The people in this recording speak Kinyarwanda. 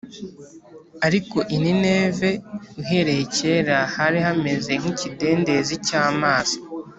Ariko i Nineve uhereye kera hari hameze nk’ikidendezi cy’amazi